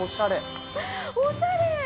おしゃれー。